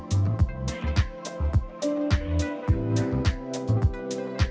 soalnya beberapa pria serius bisa cocok dengan se multiples